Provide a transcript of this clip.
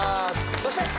そして。